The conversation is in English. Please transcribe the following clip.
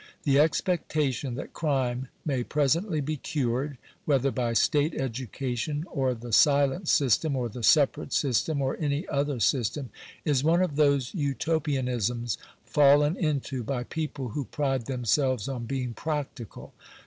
The expectation that crime may presently be cured, whether by state education, or the silent system, or the separate system, or any other sys tem, is one of those Utopianisms fallen into by people who pride themselves on being practical.